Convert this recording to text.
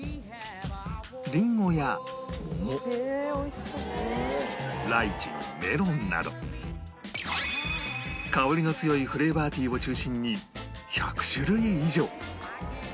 リンゴや桃ライチにメロンなど香りの強いフレーバーティーを中心に１００種類以上